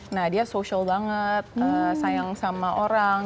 nah dia social banget sayang sama orang